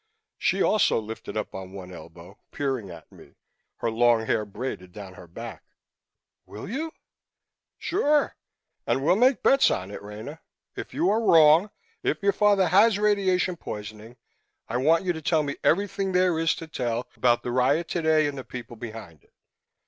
She also lifted up on one elbow, peering at me, her long hair braided down her back. "Will you?" "Sure. And we'll make bets on it, Rena. If you are wrong if your father has radiation poisoning I want you to tell me everything there is to tell about the riot today and the people behind it.